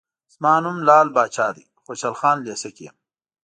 زما نوم لعل پاچا دی، خوشحال خان لېسه کې یم.